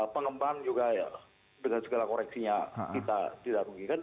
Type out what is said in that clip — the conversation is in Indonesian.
pengembangan juga dengan segala koreksinya kita tidak rugikan